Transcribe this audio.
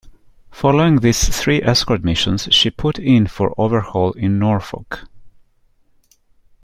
Following these three escort missions, she put in for overhaul in Norfolk.